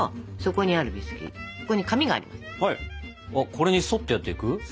これに沿ってやっていく？